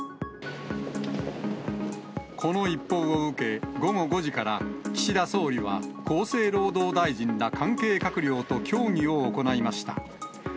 この一報を受け、午後５時から、岸田総理は厚生労働大臣ら、関係閣僚と協議を行いました。